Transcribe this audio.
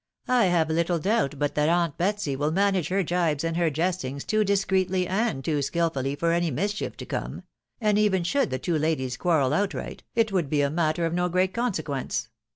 I have little doubt but that aunt Betsy will manage her gibes and her jestings too dis creetly and too skilfully for any mischief to come ; and even should the two ladies quarrel outright, it would be a matter of no great consequence.